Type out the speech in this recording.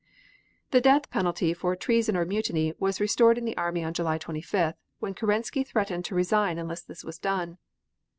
The death penalty for treason or mutiny was restored in the army on July 25th, when Kerensky threatened to resign unless this was done.